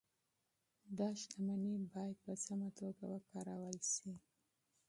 دا شتمني باید په سمه توګه وکارول شي.